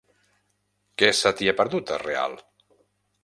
Què se t'hi ha perdut, a Real?